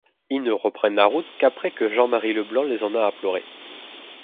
Ils ne reprennent la route qu'après que Jean-Marie Leblanc les en a imploré.